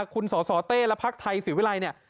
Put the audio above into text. คุณสสเต้และพทศิวิรัย